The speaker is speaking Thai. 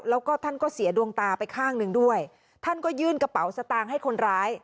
แล้วก็ท่านก็เสียดวงตาไปข้างหนึ่งด้วยท่านก็ยื่นกระเป๋าสตางค์ให้คนร้าย